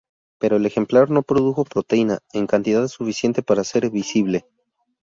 Pero el ejemplar no produjo proteína en cantidad suficiente para ser visible.